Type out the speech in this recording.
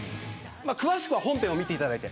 詳しくは本編を見ていただいて。